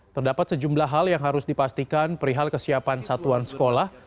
terdapat sejumlah hal yang harus dipastikan perihal kesiapan satuan sekolah